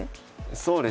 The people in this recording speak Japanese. そうですね。